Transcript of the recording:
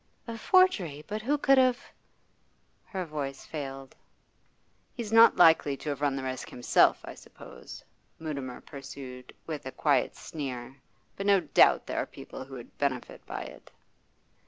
'A forgery? But who could have ' Her voice failed. 'He's not likely to have run the risk himself, I suppose,' Mutimer pursued, with a quiet sneer, 'but no doubt there are people who would benefit by it.